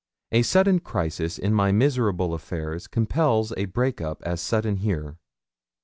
A sudden crisis in my miserable affairs compels a break up as sudden here.